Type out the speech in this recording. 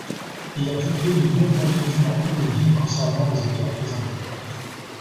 Il a publié de nombreux documents inédits concernant les auteurs présentés.